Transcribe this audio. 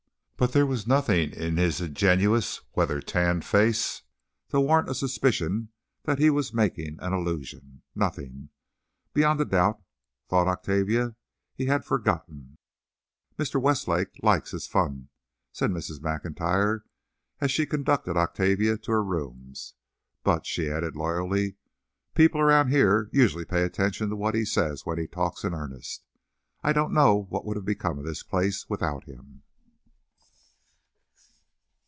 But there was nothing in his ingenuous, weather tanned face to warrant a suspicion that he was making an allusion—nothing. Beyond a doubt, thought Octavia, he had forgotten. "Mr. Westlake likes his fun," said Mrs. Maclntyre, as she conducted Octavia to her rooms. "But," she added, loyally, "people around here usually pay attention to what he says when he talks in earnest. I don't know what would have become of this place without him."